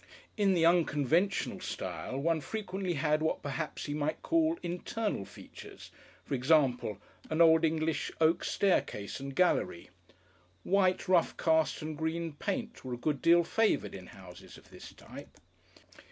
In the unconventional style one frequently had what perhaps he might call Internal Features, for example, an Old English oak staircase and gallery. White rough cast and green paint were a good deal favoured in houses of this type.